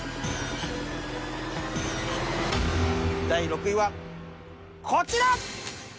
第６位はこちら。